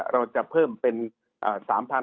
เราจะเพิ่มเป็น๓๕๐๐ล้านบาท